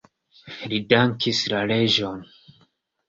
Li dankis la reĝon.